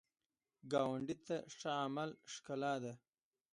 ګاونډي ته ښه عمل ښکلا ده